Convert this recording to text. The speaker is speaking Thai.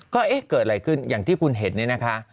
ก็เอ๊ะเกิดอะไรขึ้นอย่างที่คุณเห็นเนี่ยนะคะ